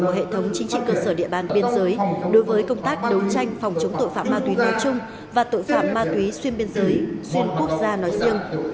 của hệ thống chính trị cơ sở địa bàn biên giới đối với công tác đấu tranh phòng chống tội phạm ma túy nói chung và tội phạm ma túy xuyên biên giới xuyên quốc gia nói riêng